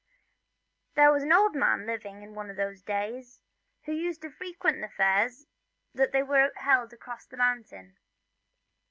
There was an old man living in those days who used to frequent the fairs that were held across the mountains.